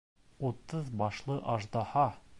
Утыҙ башлы аждаһа!